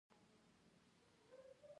ښوونځی ته مینه مهمه ده